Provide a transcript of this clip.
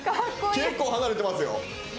結構離れてますよ。